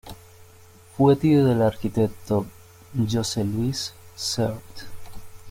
Fue tío del arquitecto Josep Lluís Sert.